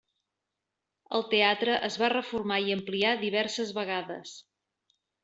El teatre es va reformar i ampliar diverses vegades.